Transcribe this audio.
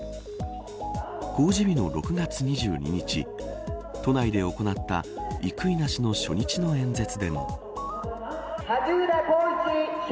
公示日の６月２２日都内で行った生稲氏の初日の演説でも。